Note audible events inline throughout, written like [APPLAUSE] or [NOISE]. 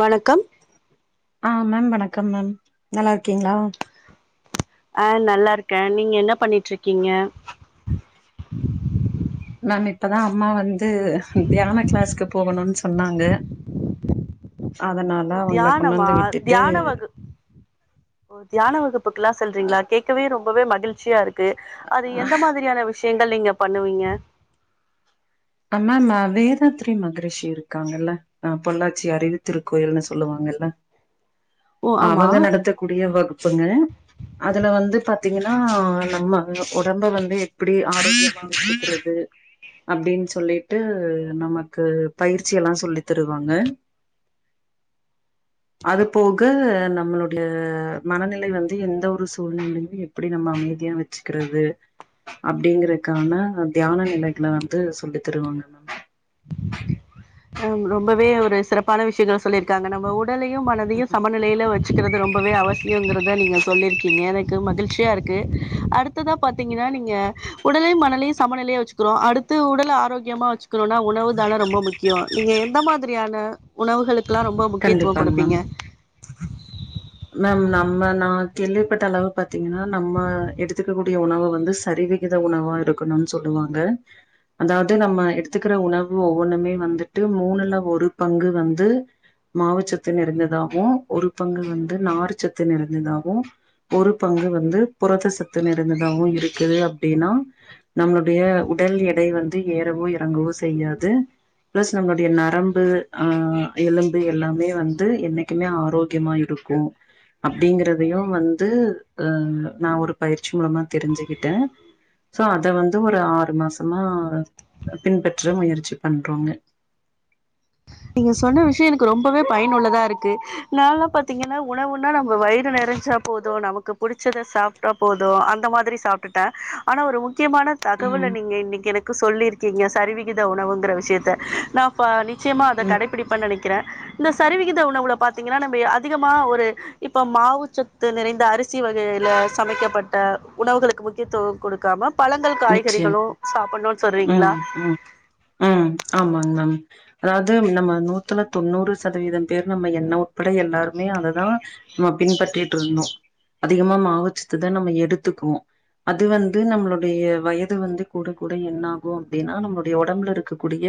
வணக்கம் அ மேம் வணக்கம் மேம் நல்லா இருக்கீங்களா அ நல்லா இருக்கே நீங்க என்ன பண்ணிட்டு இருக்கீங்க நான் இப்பதா அம்மா வந் து தியான கிளாஸ்க்கு போகனுன்னு சொன்னாங்க அதனால ஓ அவங்கள கொண்டு தியானமா வந்து விட்டுட்டு தியான வகு ஓ தியான வகுப்புக்கெல்லாம் செல்றீங்களா கேட்கவே ரொம் பவே மகிழ் ச்சியா இருக்கு அது எந்த மாதிரியான விஷயோ [UNINTELLIGIBLE] நீங்க பண்ணுவீங்க அம்மா நா வேதாத்திரி மகரிஷி இருக்காங்கல்ல ஆ பொள்ளாச்சி அறிவுத்திருக்கோயில்னு சொல்லுவாங்கல்ல ஓ ஆமா அவங்க நடத்தக்கூடிய வகுப்புங்க அதுல வந்து பாத்தீங்கன்னா நம்ம உடம்ப வந்து எப்பிடி ஆரோக்கியமா வச்சுக்கிறது அப்டின் சொல்லிட்டு நமக்கு பயிற்சி எல்லா சொல்லித் தருவாங்க அதுப் போக நம்மளுடைய மனநிலை வந்து எந்த ஒரு சூழ்நிலைலயு எப்டி நம்ம அமைதியா வெச்சிக்கிறது அப்டிங்கிறக்கான தியான நிலைகள வந்து சொல்லித் தருவாங்க [INAUDIBLE] அம் ரொம்பவே ஒரு சிறப்பான விஷயங்கள சொல்லியிருக்காங்க நம்ம உ டலையு மனதையு சமநிலையில வெச்சிக்கிறது ரொம் பவே அவசியொங்குறத நீங்க சொல்லிருக்கீங்க எனக்கு மகிழ்ச்சியா இருக்கு அடுத்ததாப் பாத்தீங்கன்னா நீங்க உடலையு மனலையும் சமநிலையா வச்சுக்குறோ அடுத்து உடல ஆரோக்கியமா வச்சுக்குறோன்னா உணவு தான ரொம்ப முக் கியொ நீங்க எந்த மாதிரியான உணவுகளுக் குல்லா ரொம்ப முக்கியத்துவொ கண்டிப்பாங்க குடுப்பீங்க மேம் மேம் நம்ம நா கேள்விப்பட்ட அளவு பாத்தீங்கன்னா நம்ம எடுத்துக்கக் கூடிய உணவ வந்து சரிவிகித உணவா இருக்கணுன் சொல்லுவாங்க அதாவ்து நம்ம எடுத்துக்குற உணவு ஒவ்வொண்ணுமே வந்துட்டு மூணுல ஒரு பங்கு வந்து மாவுச்சத்து நெறஞ்சதாவு ஒரு பங்கு வந் து நார்ச்சத்து நெறஞ்சதாவு ஒரு பங்கு வந்து புரத சத்து நெறஞ்சதாவு இருக்குது அப்டின்னா நம்ளுடைய உடல் எடை வந்து ஏறவோ எறங்கவோ செய்யாது ப்ளஸ் நம்மளுடைய நரம்பு ஆ எலும்பு எல்லாமே வந்து என்னைக்குமே ஆரோக்கியமா இருக் கு அப்டிங்கிறதையு வந்து ஆ நா ஒரு பயிற்சி மூலமா தெரிஞ்சிக்கிட்டே சோ அத வந்து ஒரு ஆறு மாசமா பின்பற்ற முயற்சி பண்றோங்க நீங்க சொன்ன விஷயொ எனக்கு ரொம்பவே பயனுள்ளதா இருக்கு நால்லா பாத்தீங்கன்னா உணவுன்னா நம்ம வயிறு நெறஞ்சா போது நமக்கு புடிச்சத சாப்ட்டா போது அந்த மாதிரி சாப்ட்டுட்ட ஆனா ஒரு மு க்கியமான தகவல ம் நீங்க இன்னக்கி எனக் கு சொல்லியிருக்கீங்க சரிவிகித உணவுங்குற விஷயத்த நா ஃபா நிச்சய ம். கடைப்பிடிப்பேன் நெனக் கிற இந்த சரிவிகித உணவுல பாத்தீங்கன்னா நம்ப அதிகமா ஒரு இப்ப மாவுச்சத்து நிறைந்த அரிசி வகையுல சமைக்கப்பட்ட உணவுகளுக்கு முக்கியத்துவொ குடுக்காம பழங்கள் நிச்சயம் காய்கறிகளு சாப்பட்ணுன்னு சொல்றீங்களா ம் ம் ம் ஆமாங் மேம் அதாவது நம்ம நூத்துல தொண்ணூறு சதவீதம் பேர் நம்ம என்ன உட்பட எல்லாருமே அத தா நம்ம பின்பற்றிட்ருந்தோ அதிகமா மாவுச்சத்ததா நம்ம எடுத்துக்குவோ அது வந்து நம்ளோ டைய வயது வந்து கூடக் கூட என்னாகு அப்டின்னா நம்ளோடைய ஒடம்புல இருக்கக்கூடிய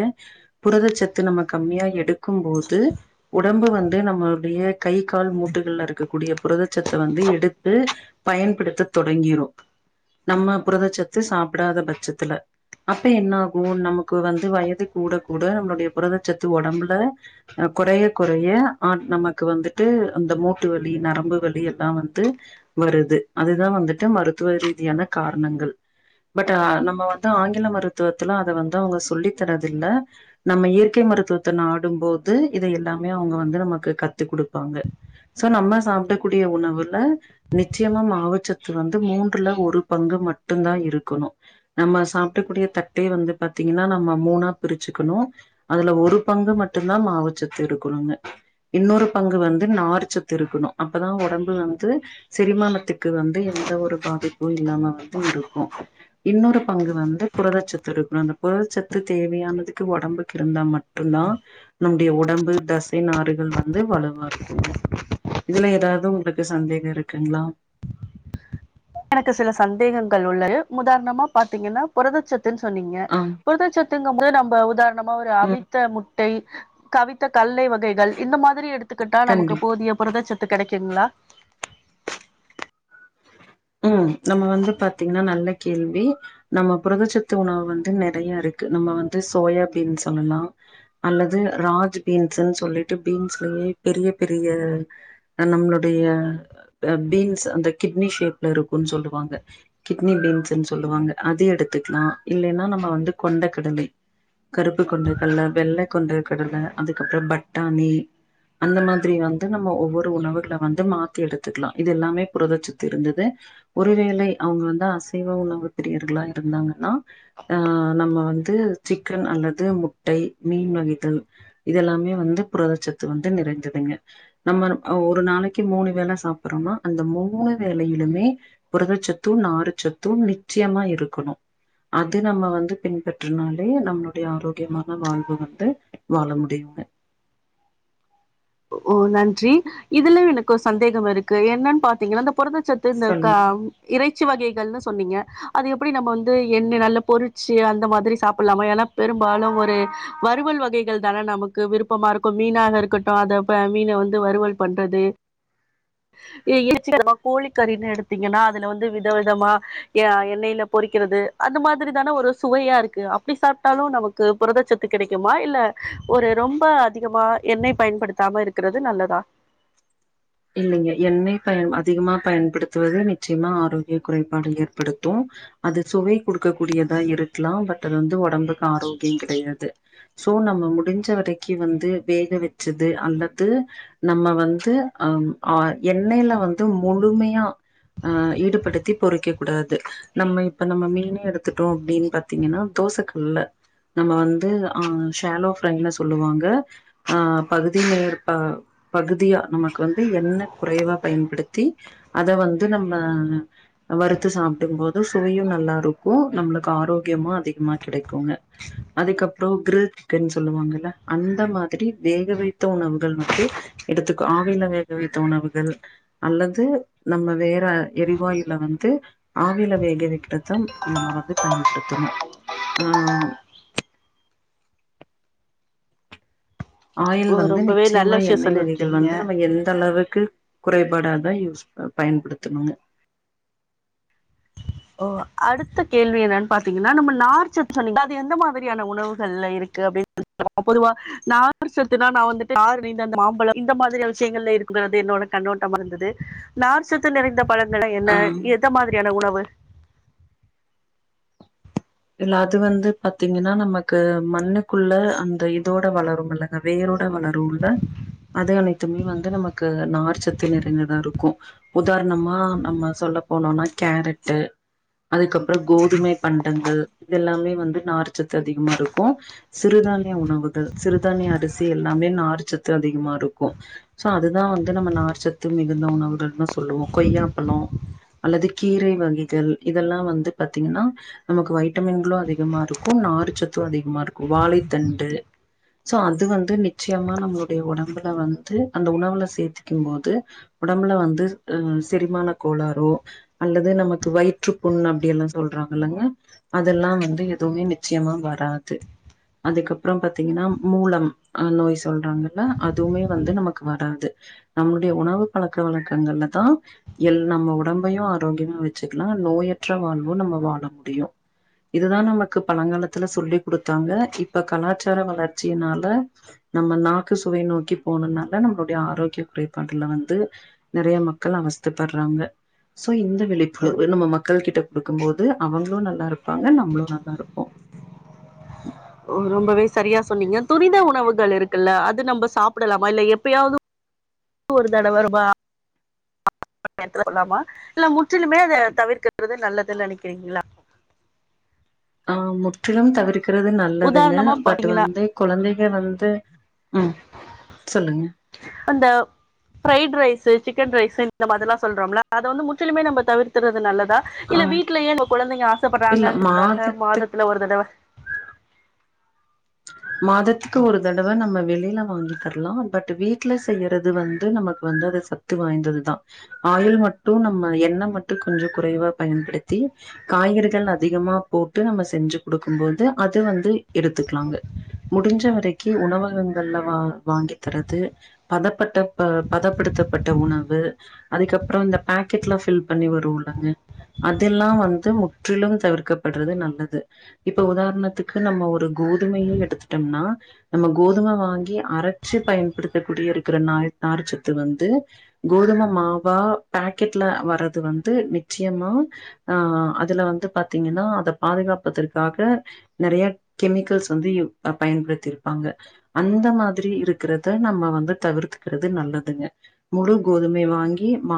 புரதச்சத்து நம்ம கம்மியா எடுக்கும் போது உடம்பு வந்து நம்மளுடைய கை கால் மூட்டுகள்ல இருக்கக்கூடிய புரதச்சத்த வந்து எடுத்து பயன்படுத்த தொடங்கிரு நம்ம புரதச்சத் து சாப்டாத பட்சத்துல அப்ப என்ன ஆகு நமக்கு வந்து வயது கூடக்கூட நம்ளோடைய புரதச்சத்து ஒடம்புல அ கொறையக் கொறைய ஆட் நமக்கு வந்துட்டு அந்த மூட்டு வலி நரம்பு வலி எல்லா வந்து வருது அதுதா வந்துட்டு மருத்துவ ரீதியான காரணங்கள் பட் ஆ நம்ம வந்து ஆங்கில மருத்துவத்துல அத வந்து அவுங்க சொல்லித் தர்றது இல்ல நம்ம இயற்கை மருத்துவத்த நாடும்போது இத எல்லாமே அவுங்க வந்து நமக்கு கத்து குடுப்பாங்க சோ நம்ம சாப்டக்கூடிய உணவுல நிச்சயமா மாவுச்சத்து வந்து மூன்றுல ஒரு பங்கு மட் டுந்தா இருக்கணு நம்ம சாப்டக் கூடிய தட்டே வந்து பாத்தீங்கன்னா நம்ம மூணா பிரிச்சிக்கணு அதுல ஒரு பங்கு மட்டுந்தா மாவுச் சத்து இருக்கணுங்க இன்னொரு பங்கு வந்து நார்ச்சத்து இருக்கணு அப்பதா ஒடம்பு வந்து செரிமானத்துக்கு வந்து எந்த ஒரு பாதிப்பு இல்லாம வந் து இருக்கு இன்னொரு பங்கு வந்து புரதச்சத்து இருக்ணு அந்த புரதச்சத்து தேவையானதுக்கு ஒடம்புக்கு இருந்தா மட்டுந்தா நம்முடைய உடம்பு தசை நாறுகள் வ ந்து வலுவா இருக்குங்க இதுல ஏதாவ்து உங்களுக்கு சந்தேக இருக்குங்களா எனக்கு சில சந்தேகங்கள் உள்ளது உதாரணமா பாத்தீங்கன்னா புரதச்சத்து துன் சொன்னீங்க ஆ புரதச்சத்துங்கம் போது நம்ப உதாரணமா ஒரு ம் அவித்த முட்டை கவித்த கல்லை வ கைகள் இந்த மாதிரி எடுத்துக்கிட்டா நமக்கு கண்டி போதிய புரதச்சத் து கெடைக்குங்ளா ம் நம்ம வந்து பாத்தீங்னா நல்ல கேள்வி நம்ம புரதச்சத்து உணவு வந்து நெறைய இருக்கு நம்ம வந்து சோயா பீன்ஸ் சொல்லலா அல்லது ராஜ் பீன்ஸுன் சொல்லிட்டு பீன்ஸ்லயே பெரிய பெரிய நம்ளுடைய பீன்ஸ் அந்த கிட்னி ஷேப் ல இருக்குன் சொல்லுவாங்க கிட்னி பீன்ஸுன் சொல்லுவாங்க அதையு எடுத்துக்லா இல்லேன்னா நம்ம வந்து கொண்டக் கடலை கருப்பு கொண்டக் கல்ல வெள்ள கொண்டக் கடல அதுக்கப்றோ பட்டாணி அந்த மாதிரி வந்து நம்ம ஒவ்வொரு உணவுகள வந்து மாத்தி எடுத்துக்லா இதெல்லாமே புரதச்சத்து இருந்துது ஒருவேளை அவுங்க வந்து அசைவ உணவு பிரியர்களா இருந்தாங்கன்னா ஆ நம்ம வந்து சிக்கன் அல்லது முட்டை மீன் வகைகள் இதெல்லாமே வந்து புரதச்சத்து வந்து நிறஞ்சதுங்க நம்ம அ ஒரு நாளக்கி மூணு வேல சாப்புர்றோம்னா அந்த மூணு வேலயிலுமே புரதச்சத்து நார்ச்சத்து நிச்சயமா இருக்கணு அது நம்ம வந்து பின்பற்றுனோலே நம்மளுடைய ஆரோக்கியமான வாழ்வு வந்து வாழ முடியுங்க ஒ நன்றி இதுல எனக்கு ஒ சந்தேகம் இருக்கு என்னன் பாத்தீங்ளந்தப் புரதச்சத்து இந்த சொல்லுங்க கவ் இறைச்சி வகை தல்ல சொன்னீங்க அது எப்புடி நம் வந்து எண்னெ நல்ல பொறிச்சு அந்த மாதுரி சாப்புல்லாமா எலா பெரும்பாலு ஒரு வறுவல் வகைகள் தான நமக்கு விருப்பமா இருக்கு மீனாக இருக்கட்டு அத ப மீன வந்து வறுவல் பண்றது [INAUDIBLE] கோலிக்கறினு எடுத்தீங்கனா அதுல வந்து வித விதமா ய எண்ணயில பொரிக்கிறது அந்த மாதுரி தான ஒரு சுவையாருக்கு அப்டி சாப்ட்டாலு நமக்கு புரதச்சத்து கெடைக்குமா இல்ல ஒரு ரொம்ப அதிகமா எண்ணய் பயன்படுத் சாம இருக்குறது நல்லதா இல்லிங்க எண்ணய் பயம் அதிகமா பயன்படுத்துவது மிச்யமா ஆரோக்ய குறைப்பாடு ஏர்படுத்து அது சுவை குடுக்க கூடியதா இருக்லா பட் டுருந்து ஒடம்புக் ஆரோக்ங்கிடையாது சோ நம்ம முடிஞ்ச வதக்கி வந்து வேக வெச்சது அந்தது நம்ம வந்து அம் ஆ எண்ணைல வந்து முலுமியா அ ஈடுபடுத்தி பொறிக்க கூடாது நம்ம இப்ப நம்ம மீனே எடுத்துட்டோ அப்டின் பாத்தீங்கனா தோசக்கல்ல நம்ம வந்து ஆ ஷேலோ ஃப்ரைன சொல்லுவாங்க ஆ பகுதி மேயற் ப பகுதியா நம்ம வந்து எண்ண குறைவா பயன்படுத்தி அத வந்து நம்ம வறுத்து சாப்டும்போது சுவையு நல்லாருக்கு நம்ளுக்கு ஆரோக்யமா அதிகமா கிடைக்குங்க அதுக்கப்ரொ க்ருல் [INAUDIBLE] சொல்லுவாங்கல்ல அந்த மாதுரி வேக வைத்த உணவுகள் வந்து எடுத்துகா வீல வேகவைத்த உணவுகள் அல்லது நம்ம வேற எரிவாயுல வந்து ஆவில வேக வெக்றத் தம் நம்ம வந்து பயன்படுத்தணு ஆஆ ஆயில் ஓ வந்து ரொம்பவே நிச்யமா நல்ல விஷயோ எண்ணய் வகைகள் சொல்லிருக்கீங்க வந்து நம்ம எந்தளவு கு குறைபாடா தா யூஸ் ப பயன்படுத்துனுக ஒ அடுத்த கேள்வி என்னன் பாத்தீங்கனா நம்ம நார்ச்சத் சொன்னிங்ல அது எந்த மாதுரியான உணவுகள்ல இருக்கு அப்டின் [INAUDIBLE] பொதுவா நார்ச்சத்துனா நா வந்துட்டு [UNINTELLIGIBLE] அந்த மாம்பலம் இந்த மாதுரிய விஷ்யங்கள்ல இருக்குமே என்னோட கண்ணோட்டமருந்துது நார்சத்து நிறைந்த பழங்கள என்ன ஆ எத மாதுரியான உணவு இல்ல அது வந்து பத்திங்கனா நம்க்கு மண்ணுக்குள்ள அந்த இதோட வளரும் இல்லங்க வேரோ வளருல்ல அது அணைத்துமே வந்து நமக்கு நார்ச்சத்து நிறைந்ததாரு கு உதார்ணமா நம்ம சொல்ல போனோனா கேரட்டு அதுக்கப் ப்ர கோதுமை பண்டங்கள் இதெல்லாமே வந்து நார்ச்சத்து அதிகமாருக்கு சிறுதான்ய உணவுகள் சிறுதான்ய அருசி எல்லாமே நார்ச்சத்து அதிகமாருக்கு சோ அதுதா வந்து நம்ம நார்ச்சத்து மிகுந்த உணவுகள்னு சொல்லுவோ கொய்யாப்பலோ அல்லது கீரை வகைகள் இதல்லா வந்து பத்திங்னா நமக்கு வை டமின்ங்ளு அதிகமாருக்கு நார்ச்சத்து அதிகமாருக்கு வாலை தண்டு சோ அது வந்து நிச்யமா நம்ளோடைய ஒடம்புல வந்து அந்த உணவுல சேத்திகிம்போது உடம்புல வந்து செரிமான கோளாரோ அல்லது நமக்கு வயிற்றுபுண் அப்டியெல்லா சொல்ராங்கல்லங்க அதல்லா வந்து எதுவுமே நிச்சியமா வராது அதுக்கப்றோ பாத்தீங்கன்னா மூலம் அ நோய் சொல்றாங்கல்ல அதுவுமே வந்து நமக்கு வராது நம்ளுடிய உணவு பலக்க வலக்கங்கள்ல தா எல் நம்ம உடம்பையு ஆரோக்யமா வெச்சுக்லா நோயற்ற வால்வோ நம்ம வால முடியு இதுதா நமக்கு பலங்காலத்துல சொல்லி் குடுத்தாங்க இப்ப கலாச்சார வளர்ச்சியினால நம்ம நாக்கு சுவை நோக்கி போனனால நம்லோட்ய ஆரோக்ய குறைபாட்டுல வந்து நெறய மக்கள் அவஸ்த பற்றாங்க சோ இந்த வெளிப்பு நம்ம மக்கள்கிட்ட குடுக்கும்போது அவங்ளு நல்லாருக் பாங்க நம்ளு நல்லாருப்போ ஒ ரொம்பவே சரியா சொன்னீங்க துரித உணவுகள் இருக்குல்ல அது நம்ப சாப்டலாமா இல்ல எப்பயாவது ஒரு தடவருபா [INAUDIBLE] ல்ல முட் டிலுமே அத தவிர்க்றது நல்லத் [UNINTELLIGIBLE] ஆ முற்றிலும் தவிற் கிறது நல்லதுங்க உதாரணமா பட் பாத்தீங்கன்னா வந்து கொலந்தை எ வந்து ம் சொல்லுங்க அந்த ஃப்ரைட் ரைஸு சிக்கன் ரைஸு இந்த மாதிலா சொல்றோம்ல அத வந்து முற்றிலுமே நம்ப தவிர்திறது நல்லத் த ஆ இல்ல வீட்லயே உங்க கொழந்தைங்க இல்ல ஆசப்பட்றாங்கங்கற்துக்காக மாதத்துக் மாதத்துல ஒரு தடவ மாதத்துக்கு ஒரு தடவ நம்ம வெளில வாங்கி தர்லா பட் வீட்ல செய்யறது வந்து நமக்கு வந்து அது சத்து வாய்ந்ததுதா ஆயில் மட்டு நம்ம எண்ண மட்டு கொஞ்ச குறைவா பயன்படுத்தி காய்கறிகள் அதிகமா போட்டு நம்ப செஞ்சு குடுக்கும்போது அது வந்து எடுத்து க்லாங்க முடிஞ்ச வரக்கி உணவகங்கள்ல வா வாங்கி தரது பதப்பட்ட ப பதப்படுத்தப்பட்ட உணவு அதுக்கப்றோ இந்த பேக்கெட்ல ஃபில் பண்ணி வருல்லங்க அதெல்லா வந்து முற்றிலு தவிர்க்கப்பட்றது நல்லது இப்ப உதர்ணத்துக்கு நம்ம ஒரு கோதுமையு எடுத்துடம்னா நம்ம கோதும வாங்கி அரச்சு பயன்படுத்தக் கூடிய இருக்கிற நாய் நார்சத்து வந்து கோதும மாவா பேக்கெட்ல வறது வந்து நிச்யமா ஆ அதுல வந்து பாத்தீங்கனா அத பாதுகாப்பதற்காக நெறய கெமிக்கல்ஸ் வந்து யு பயன்படுத்தி இருப்பாங்க அந்த மாதுரி இருக்குறத நம்ம வந்து தவிர்த்துக்குறது நல்லதுங்க முழு கோதுமை வாங்கி மா